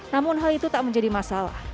namun hal itu tak menjadi masalah